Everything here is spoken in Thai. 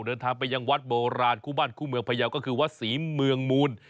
เดินทางไปยังวัดโบราณคู่บ้านคู่เมืองพยาวก็คือวัดศรีเมืองมูล